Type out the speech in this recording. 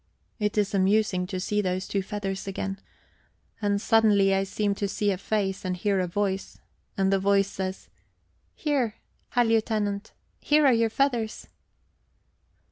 It is amusing to see those two feathers again. And suddenly I seem to see a face and hear a voice, and the voice says: "Her, Herr Lieutenant: here are your feathers."